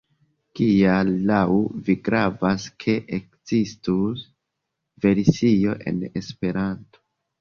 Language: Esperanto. Kial laŭ vi gravas, ke ekzistu versio en Esperanto?